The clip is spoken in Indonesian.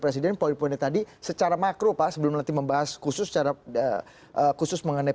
presiden poin poinnya tadi secara makro pak sebelum nanti membahas khusus secara khusus mengenai